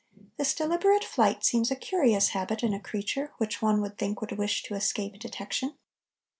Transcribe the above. This deliberate flight seems a curious habit in a creature which one would think would wish to escape detection.